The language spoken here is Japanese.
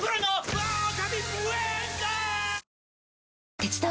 はい！